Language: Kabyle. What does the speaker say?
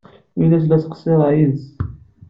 Ini-as la ttqeṣṣireɣ yid-s.